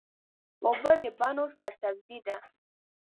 اوبه د بڼو سرسبزي ده.